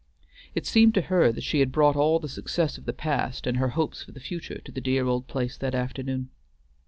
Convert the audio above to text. It seemed to her that she had brought all the success of the past and her hopes for the future to the dear old place that afternoon.